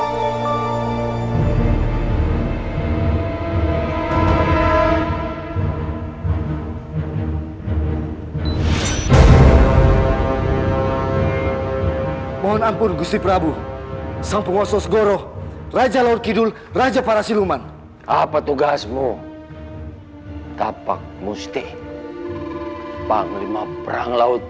hamba akan membalas kebaikanmu